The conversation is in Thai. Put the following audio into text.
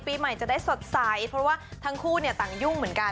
ปีใหม่จะได้สดใสเพราะว่าทั้งคู่เนี่ยต่างยุ่งเหมือนกัน